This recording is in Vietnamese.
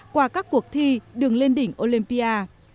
qua các cuộc thi đường lên đỉnh olympia